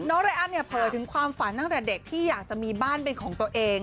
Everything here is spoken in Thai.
ไรอันเนี่ยเผยถึงความฝันตั้งแต่เด็กที่อยากจะมีบ้านเป็นของตัวเอง